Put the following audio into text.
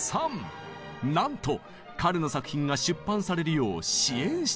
なんと彼の作品が出版されるよう支援してくれたのです。